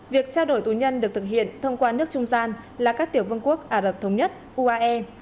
việc trao đổi tù nhân được thực hiện thông qua nước trung gian là các tiểu vương quốc ả rập thống nhất uae